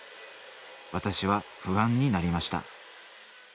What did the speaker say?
私は不安になりました